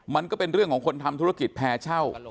มันก็เป็นเรื่องของคนทำธุรกิจแพร่เช่า